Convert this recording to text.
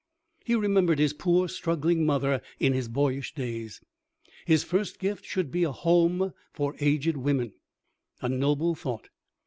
He remembered his poor struggling mother in his boyish days. His first gift should be a home for aged women a noble thought!